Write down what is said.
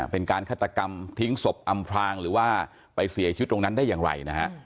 เป็นการฆาตกรรมทิ้งศพอำพรางหรือว่าไปเสียชีวิตตรงนั้นได้อย่างไรนะฮะ